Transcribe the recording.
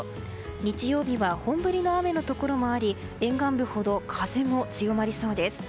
日曜日は本降りの雨のところもあり沿岸部ほど風も強まりそうです。